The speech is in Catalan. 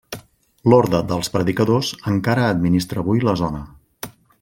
L'orde dels predicadors encara administra avui la zona.